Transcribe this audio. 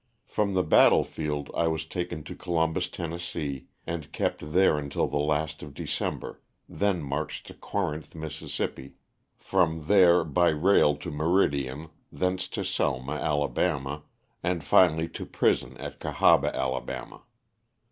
From the battle field I was taken to Columbus, Tenn., and kept there until the last of December, then marched to Corinth, Miss., from there by rail to Meridian, thence to Selma, Ala., and finally to prison at Cahaba, Ala.